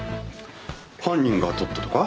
犯人が撮ったとか？